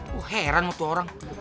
gue heran waktu orang